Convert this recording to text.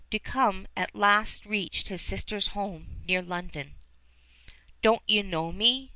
Duncombe at last reached his sister's home near London. "Don't you know me?"